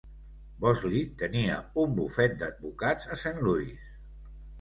Bosley tenia un bufet d'advocats a Saint Louis.